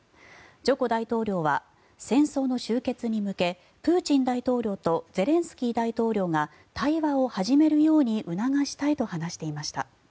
ジョコ大統領は戦争の終結に向けプーチン大統領とゼレンスキー大統領が対話を始めるように促したいと話していました。